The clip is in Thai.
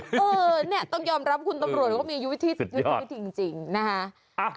เออนี่ต้องยอมรับคุณตำรวจเขามีวิถีจริงจริงนะคะ